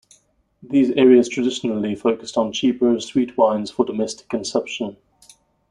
These areas traditionally focused on cheaper, sweet wines for domestic consumption.